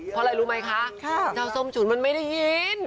เพราะอะไรรู้ไหมคะเจ้าส้มฉุนมันไม่ได้ยิน